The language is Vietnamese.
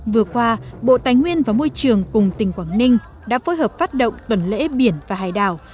vừa qua bộ tài nguyên và môi trường cùng tỉnh quảng ninh đã phối hợp phát động tuần lễ biển và hải đảo